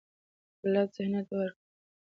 غلط ذهنیت به ورکړي.